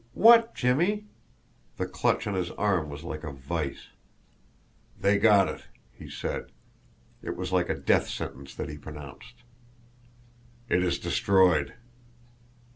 Then WHAT, Jimmie?" The clutch on his arm was like a vise. "They got it," he said. It was like a death sentence that he pronounced. "It is destroyed."